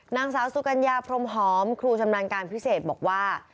นางสาวสุกัญญาพรมหอมครูชำนาญการพิเศษบอกว่า